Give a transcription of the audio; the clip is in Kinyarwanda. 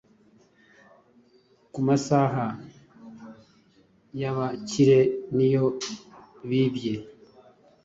ku masaha yabakire niyo bibye